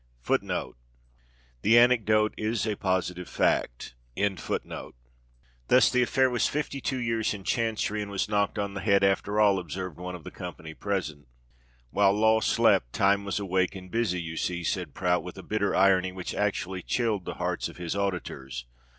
"Thus the affair was fifty two years in Chancery, and was knocked on the head after all?" observed one of the company present. "While Law slept, Time was awake and busy, you see," said Prout, with a bitter irony which actually chilled the hearts of his auditors.